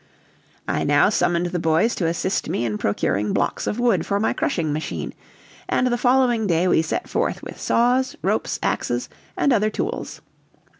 I now summoned the boys to assist me in procuring blocks of wood for my crushing machine, and the following day we set forth with saws, ropes, axes, and other tools.